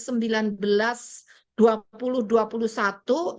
ini akan ada awan awan hujan